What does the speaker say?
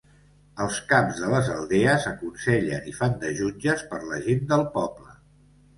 Els caps de les aldees aconsellen i fan de jutges per la gent del poble.